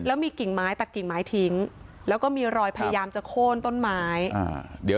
แล้วมีกิ่งไม้ตัดกิ่งไม้ทิ้งแล้วก็มีรอยพยายามจะโค้นต้นไม้อ่าเดี๋ยว